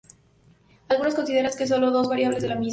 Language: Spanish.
Algunos consideran que sólo son dos variedades de la misma.